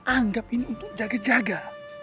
anggap ini untuk jaga jaga